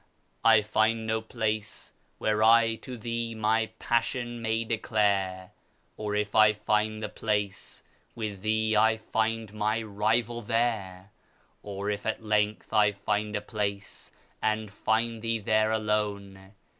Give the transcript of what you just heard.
'' I find no place where I to thee my passion may declare, Or, if I find the place, with thee I find mj rival there, Or, if at length I find a place, and find thee there alone.